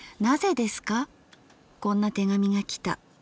こんな手紙がきた。